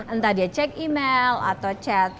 entah dia cek email atau chat